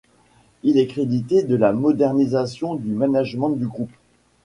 Il est crédité de la modernisation du management du groupe.